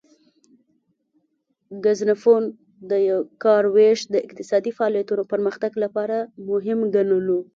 ګزنفون د کار ویش د اقتصادي فعالیتونو پرمختګ لپاره مهم ګڼلو